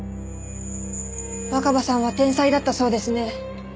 若葉さんは天才だったそうですね。